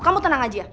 kamu tenang aja ya